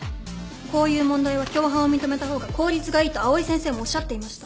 こういう問題は共犯を認めた方が効率がいいと藍井先生もおっしゃっていました。